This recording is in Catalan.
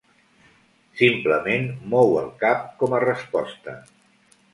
Simplement mou el cap com a resposta.